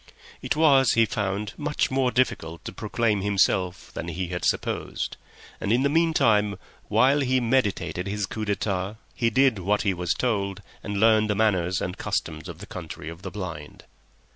It was, he found, much more difficult to proclaim himself than he had supposed, and in the meantime, while he meditated his coup d'etat, he did what he was told and learnt the manners and customs of the Country of the Blind.